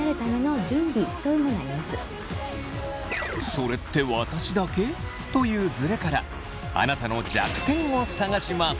「それって私だけ？」というズレからあなたの弱点を探します。